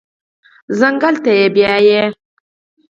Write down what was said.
ځنګل ته بیایي